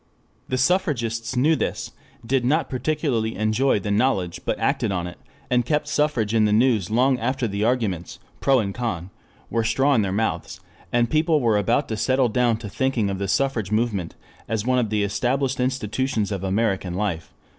The suffragists knew this, did not particularly enjoy the knowledge but acted on it, and kept suffrage in the news long after the arguments pro and con were straw in their mouths, and people were about to settle down to thinking of the suffrage movement as one of the established institutions of American life.